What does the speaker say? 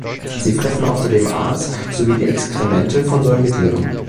Sie fressen außerdem Aas sowie die Exkremente von Säugetieren.